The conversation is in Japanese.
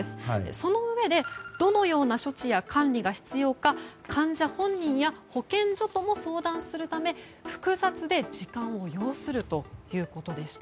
そのうえでどのような処置や管理が必要か患者本人や保健所とも相談するため複雑で時間を要するということでした。